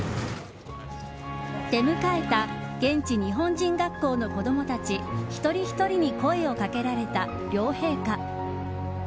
出迎えた現地日本人学校の子どもたち一人一人に声をかけられた両陛下。